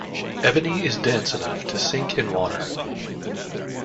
Ebony is dense enough to sink in water.